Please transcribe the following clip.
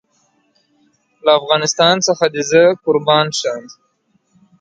Lip sometimes notched or scalloped.